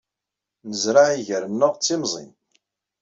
Nezreɛ iger-nneɣ d timẓin.